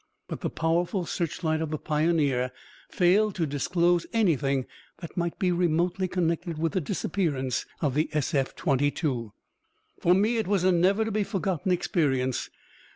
But the powerful searchlight of the Pioneer failed to disclose anything that might be remotely connected with the disappearance of the SF 22. For me it was a never to be forgotten experience.